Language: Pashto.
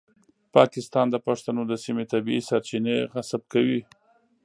پاکستان د پښتنو د سیمې طبیعي سرچینې غصب کوي.